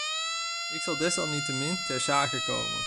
Ik zal desalniettemin ter zake komen.